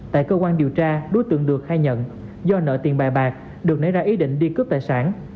tại cơ quan điều tra đối tượng được khai nhận do nợ tiền bài bạc được nảy ra ý định đi cướp tài sản